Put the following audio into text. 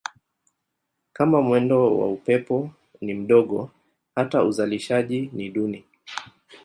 Kama mwendo wa upepo ni mdogo hata uzalishaji ni duni.